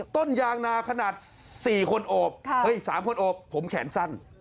ต้นยางนาขนาด๔คนโอบ๓คนโอบผมแขนสั้น